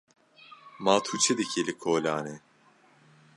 Ma tu çi dikî li kolanê?